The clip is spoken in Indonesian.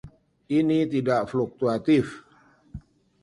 Ini tidak fakultatif.